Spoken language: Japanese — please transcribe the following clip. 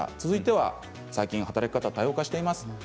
続いては最近では働き方も多様化しています。